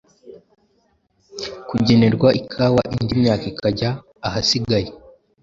kugenerwa ikawa indi myaka ikajya ahasigaye